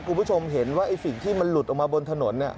คุณผู้ชมเห็นว่าไอ้สิ่งที่มันหลุดออกมาบนถนน